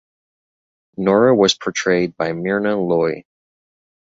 Nora was portrayed by Myrna Loy.